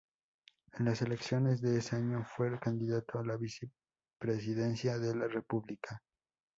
En las elecciones de ese año fue candidato a la vicepresidencia de la república.